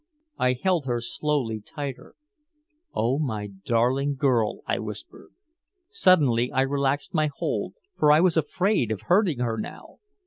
I held her slowly tighter. "Oh, my darling girl," I whispered. Suddenly I relaxed my hold, for I was afraid of hurting her now.